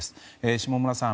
下村さん